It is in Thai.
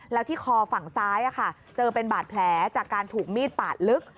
แล้วที่คอฝั่งซ้ายเจอเป็นบาดแผลจากการถูกมีดปาดลึก